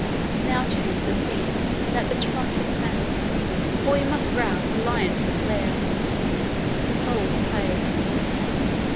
Now change the scene and let the trumpets sound, For we must rouse the lion from his lair. OLD PLAY.